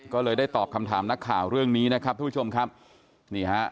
ก็เลยได้ตอบคำถามนักข่าวเรื่องนี้นะครับทุกผู้ชมครับนี่ฮะ